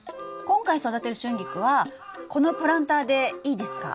今回育てるシュンギクはこのプランターでいいですか？